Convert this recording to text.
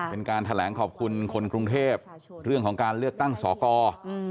เป็นการแถลงขอบคุณคนกรุงเทพเรื่องของการเลือกตั้งสอกร